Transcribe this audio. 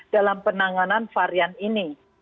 dalam penanganan varian ini